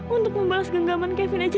untuk membalas genggaman kevin aja